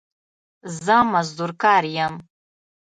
زه مزدور کار يم